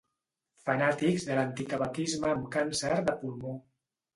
Fanàtics de l'antitabaquisme amb càncer de pulmó.